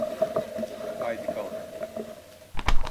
Haydi kalk.